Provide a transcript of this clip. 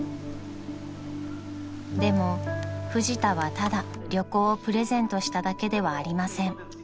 ［でもフジタはただ旅行をプレゼントしただけではありません］